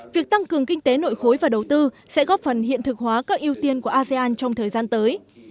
việc tăng cường kinh tế nội khối và đầu tư sẽ góp phần hiện thực hóa các ưu tiên của asean trong thời gian tới